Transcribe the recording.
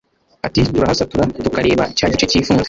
Ati “Turahasatura tukareba cya gice cyifunze